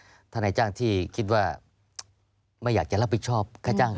เพราะว่ารายเงินแจ้งไปแล้วเพราะว่านายจ้างครับผมอยากจะกลับบ้านต้องรอค่าเรนอย่างนี้